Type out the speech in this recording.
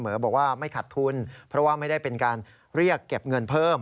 บอกว่าไม่ขัดทุนเพราะว่าไม่ได้เป็นการเรียกเก็บเงินเพิ่ม